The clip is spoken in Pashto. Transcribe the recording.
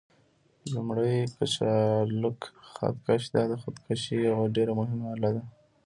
لومړی: کچالک خط کش: دا د خط کشۍ یوه ډېره مهمه آله ده.